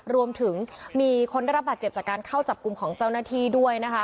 รวมถึงมีคนได้รับบาดเจ็บจากการเข้าจับกลุ่มของเจ้าหน้าที่ด้วยนะคะ